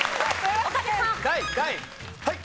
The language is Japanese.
はい。